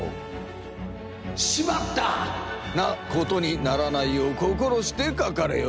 「しまった！」なことにならないよう心してかかれよ。